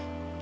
tau satu lah